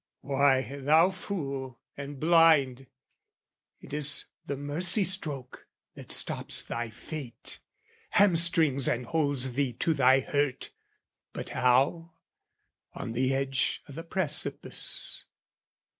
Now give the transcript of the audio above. Why, thou fool and blind, It is the mercy stroke that stops thy fate, Hamstrings and holds thee to thy hurt, but how? On the edge o' the precipice!